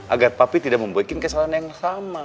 agar papi tidak membuat kesalahan yang sama